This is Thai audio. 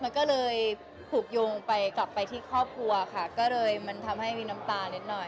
มันก็เลยผูกโยงไปกลับไปที่ครอบครัวค่ะก็เลยมันทำให้มีน้ำตานิดหน่อย